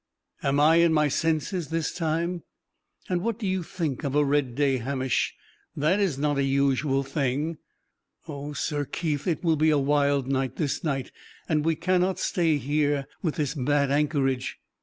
Am I in my senses this time? And what do you think of a red day, Hamish? That is not a usual thing." "Oh, Sir Keith, it will be a wild night this night! And we cannot stay here, with this bad anchorage!"